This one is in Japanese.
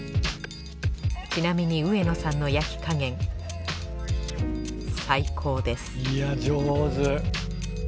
ちなみに上野さんの焼き加減最高ですいや上手。